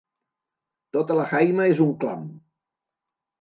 Tota la Haima és un clam.